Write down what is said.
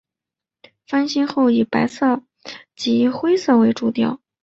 翻新后以白色及灰色为主调。